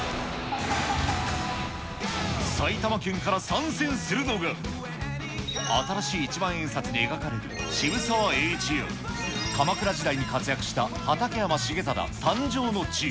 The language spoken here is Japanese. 埼玉県から参戦するのが、新しい一万円札に描かれる渋沢栄一や、鎌倉時代に活躍した畠山重忠誕生の地。